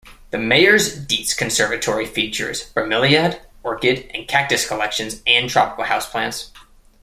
The Meyers-Deats Conservatory features bromeliad, orchid, and cactus collections and tropical houseplants.